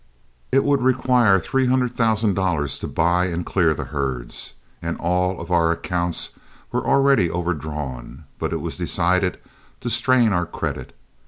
It would require three hundred thousand dollars to buy and clear the herds, and all our accounts were already overdrawn, but it was decided to strain our credit.